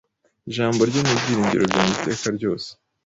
Ijambo rye nibyiringiro byanjye iteka ryose